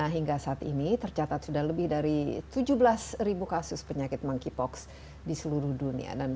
hingga saat ini tercatat sudah lebih dari tujuh belas ribu kasus penyakit monkeypox di seluruh dunia